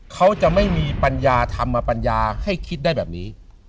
เขาจะไม่มีปัญญาธรรมปัญญาให้คิดได้แบบนี้